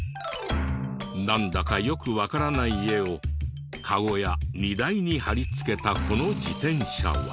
なんだかよくわからない絵をカゴや荷台に貼り付けたこの自転車は？